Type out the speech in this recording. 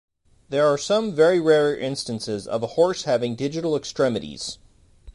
There are some very rare instances of a horse having digital extremities.